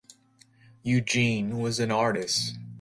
Eugene was an artist.